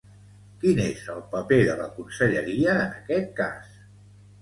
Quin és el paper de la conselleria en aquest cas?